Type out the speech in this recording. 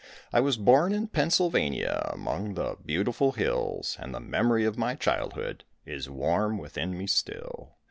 I was born in Pennsylvania Among the beautiful hills And the memory of my childhood Is warm within me still.